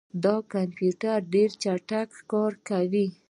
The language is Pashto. دا کمپیوټر ډېر چټک کار کوي.